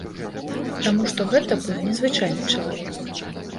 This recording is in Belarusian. Таму што гэта быў незвычайны чалавек.